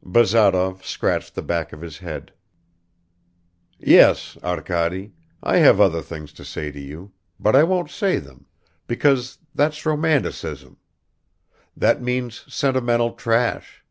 Bazarov scratched the back of his head. "Yes, Arkady, I have other things to say to you, but I won't say them, because that's romanticism that means sentimental trash.